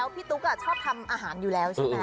ตุ๊กชอบทำอาหารอยู่แล้วใช่ไหม